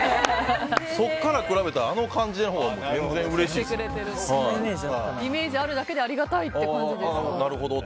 そこから比べたらあの感じのほうがイメージあるだけでありがたいって感じですか。